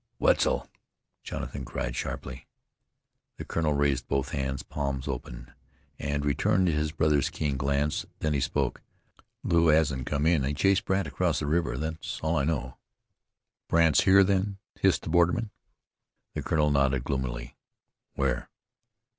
"Wetzel?" Jonathan cried sharply. The colonel raised both hands, palms open, and returned his brother's keen glance. Then he spoke. "Lew hasn't come in. He chased Brandt across the river. That's all I know." "Brandt's here, then?" hissed the borderman. The colonel nodded gloomily. "Where?"